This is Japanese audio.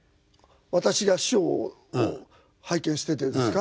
私が師匠を拝見しててですか？